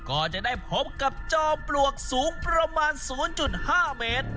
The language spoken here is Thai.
ก็จะได้พบกับจอมปลวกสูงประมาณ๐๕เมตร